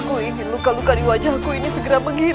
aku ingin luka luka di wajahku ini segera menghirup